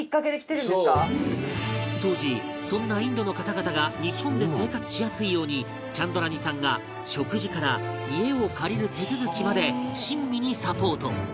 当時そんなインドの方々が日本で生活しやすいようにチャンドラニさんが食事から家を借りる手続きまで親身にサポート